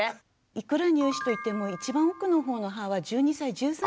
いくら乳歯といっても一番奥のほうの歯は１２歳１３歳まで。